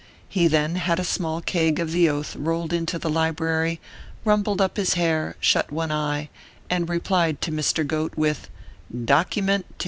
He then had a small keg of the Oath rolled into the library, rumpled up his hair, shut one eye, and replied to Mr. Goat with DOCKYMENT II.